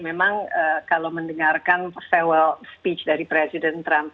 memang kalau mendengarkan sewa speech dari presiden trump